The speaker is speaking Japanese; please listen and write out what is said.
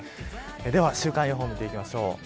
では週間予報を見ていきましょう。